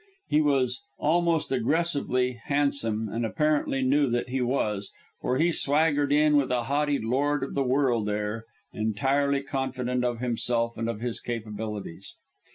He was almost aggressively handsome, and apparently knew that he was, for he swaggered in with a haughty lord of the world air, entirely confident of himself and of his capabilities.